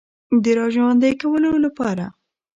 د را ژوندۍ کولو لپاره